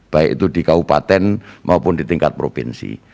baik itu di kabupaten maupun di tingkat provinsi